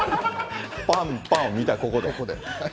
パンパン見たいな、ここで。